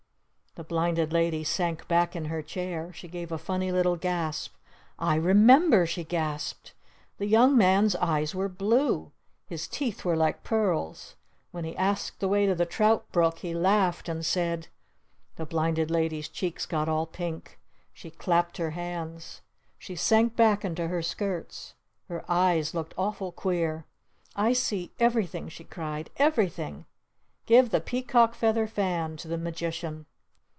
The Blinded Lady sank back in her chair. She gave a funny little gasp. "I remember!" she gasped. "The Young Man's eyes were blue! His teeth were like pearls! When he asked the way to the trout brook he laughed and said " The Blinded Lady's cheeks got all pink. She clapped her hands. She sank back into her Skirts. Her eyes looked awful queer. "I see everything!" she cried. "Everything! Give the Peacock Feather Fan to the Magician!"